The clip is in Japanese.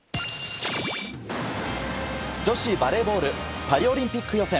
女子バレーボール、パリオリンピック予選。